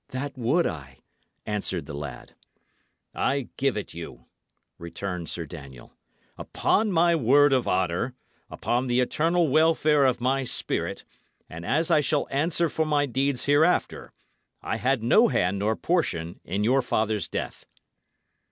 "That would I," answered the lad. "I give it you," returned Sir Daniel. "Upon my word of honour, upon the eternal welfare of my spirit, and as I shall answer for my deeds hereafter, I had no hand nor portion in your father's death."